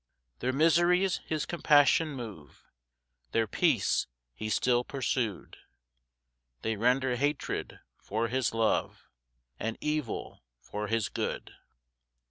3 Their miseries his compassion move, Their peace he still pursu'd; They render hatred for his love, And evil for his good.